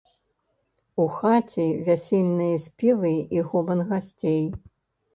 У хаце вясельныя спевы і гоман гасцей.